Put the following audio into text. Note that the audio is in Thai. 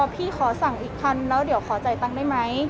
พี่ขอสั่งอีกพันแล้วเดี๋ยวขอจ่ายตังค์ได้ไหม